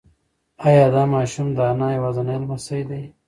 ایا دا ماشوم د انا یوازینی لمسی دی؟